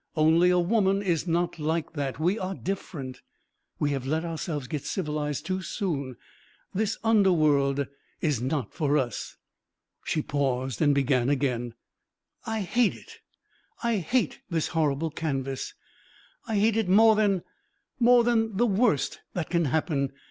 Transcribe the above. Only a woman is not like that. We are different. We have let ourselves get civilised too soon. This underworld is not for us." She paused and began again. "I hate it! I hate this horrible canvas! I hate it more than more than the worst that can happen.